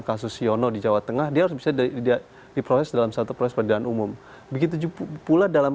kasus siono di jawa tengah dia harus bisa diproses dalam satu proses peradilan umum begitu juga pula dalam